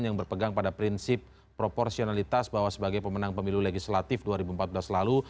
yang berpegang pada prinsip proporsionalitas bahwa sebagai pemenang pemilu legislatif dua ribu empat belas lalu